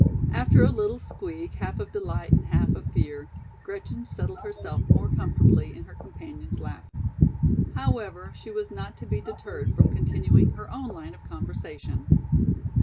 After a little squeak half of delight and half of fear, Gretchen settled herself more comfortably in her companion's lap. However, she was not to be deterred from continuing her own line of conversation.